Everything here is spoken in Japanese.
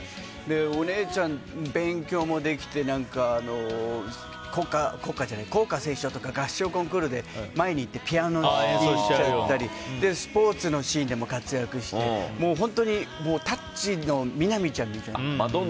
お姉ちゃん、勉強もできて校歌斉唱とか合唱コンクールで前に行ってピアノを演奏したりスポーツのシーンでも活躍して本当に「タッチ」の南ちゃんみたいな。